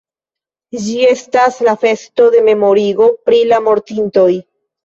Ĝi estas la festo de memorigo pri la mortintoj.